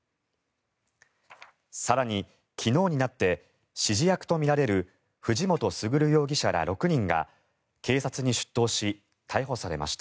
更に、昨日になって指示役とみられる藤本傑容疑者ら６人が警察に出頭し、逮捕されました。